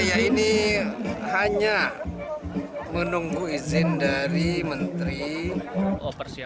ya ini hanya menunggu izin dari menteri operasional